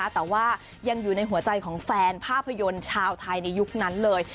แต่ว่ายังอยู่ในหัวใจของแฟนภาพยนตร์ชาวไทยในยุคนั้นเลย